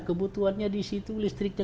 kebutuhannya disitu listriknya